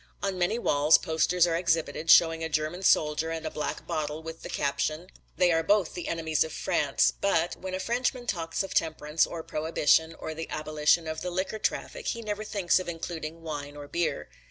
On many walls posters are exhibited showing a German soldier and a black bottle with the caption, "They are both the enemies of France," but when a Frenchman talks of temperance or prohibition or the abolition of the liquor traffic he never thinks of including wine or beer.